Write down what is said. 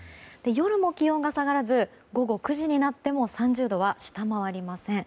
夜も気温が下がらず午後９時になっても３０度は下回りません。